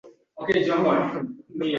Vaqt og‘ushida yashaydi inson